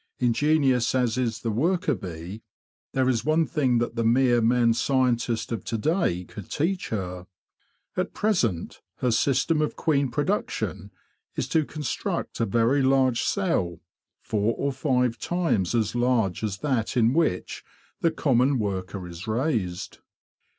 Ingenious as is the worker bee, there is one thing that the mere man scientist of to day could teach her. At present, her system of queen production is to construct a very large cell, four or five times as large as that in which the common worker is raised.